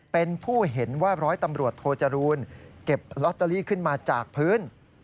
เป็นผู้เห็นว่าร้อยตำรวจโทจรูลเก็บลอตเตอรี่ขึ้นมาจากพื้น